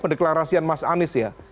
pendeklarasian mas anies ya